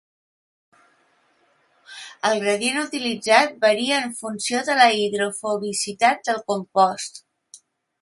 El gradient utilitzat varia en funció de la hidrofobicitat del compost.